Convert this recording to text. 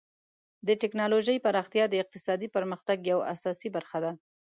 د ټکنالوژۍ پراختیا د اقتصادي پرمختګ یوه اساسي برخه ده.